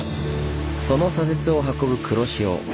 その砂鉄を運ぶ黒潮。